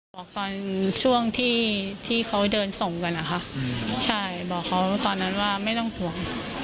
บอกตอนช่วงที่ที่เขาเดินส่งกันนะคะใช่บอกเขาตอนนั้นว่าไม่ต้องห่วง